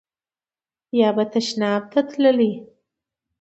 یا به تشناب ته تللو.